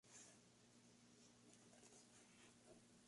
Estados Unidos es el mayor socio comercial no europeo de Eslovenia.